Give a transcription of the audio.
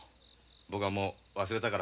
僕はもう忘れたから。